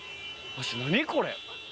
何これ⁉